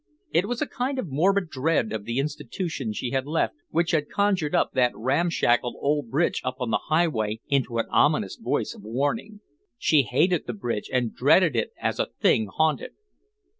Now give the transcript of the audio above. It was a kind of morbid dread of the institution she had left which had conjured that ramshackle old bridge up on the highway into an ominous voice of warning. She hated the bridge and dreaded it as a thing haunted.